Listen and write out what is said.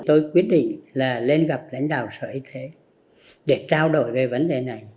tôi quyết định là lên gặp lãnh đạo sở y tế để trao đổi về vấn đề này